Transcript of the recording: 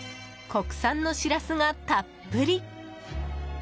国産のシラスがたっぷり！